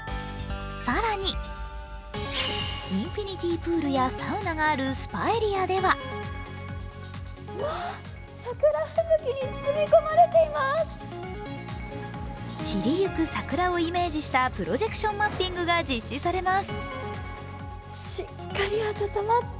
更にＩＮＦＩＮＩＴＹＰＯＯＬやサウナがあるＳＰＡエリアでは散りゆく桜をイメージしたプロジェクションマッピングが実施されます。